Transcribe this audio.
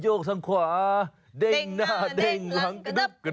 ยกซ้ายเอ้ายกขวาเน่งหน้าเน่งหลังกระดับกระดับ